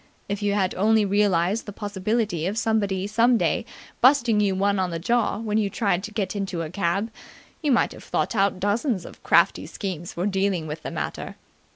If you had only realized the possibility of somebody some day busting you on the jaw when you tried to get into a cab, you might have thought out dozens of crafty schemes for dealing with the matter.